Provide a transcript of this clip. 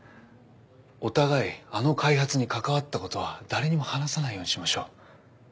お互いあの開発に関わったことは誰にも話さないようにしましょう。